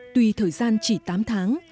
tùy thời gian chỉ tám tháng